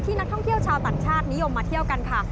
นักท่องเที่ยวชาวต่างชาตินิยมมาเที่ยวกันค่ะ